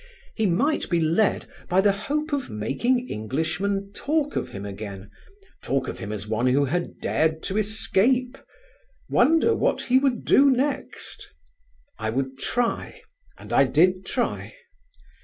He might be led by the hope of making Englishmen talk of him again, talk of him as one who had dared to escape; wonder what he would do next. I would try, and I did try.